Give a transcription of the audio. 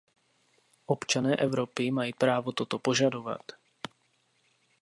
Občané Evropy mají právo toto požadovat.